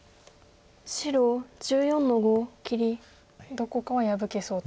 どこかは破けそうと。